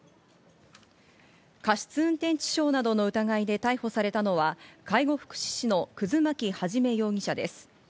過失運転致傷などの疑いで逮捕されたのは、介護福祉士の葛巻一容疑者です。